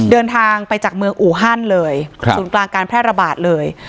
เดินทางไปจากเมืองอูฮันเลยศูนย์กลางการแพร่ระบาดเลย